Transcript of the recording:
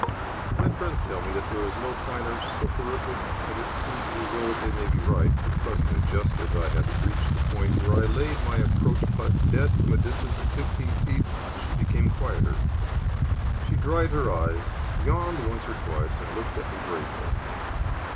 My friends tell me that there is no finer soporific, and it seemed as though they may be right, for presently, just as I had reached the point where I laid my approach putt dead from a distance of fifteen feet, she became quieter. She dried her eyes, yawned once or twice, and looked at me bravely.